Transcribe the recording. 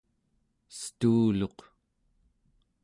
estuuluq